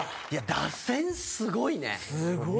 打線すごいね。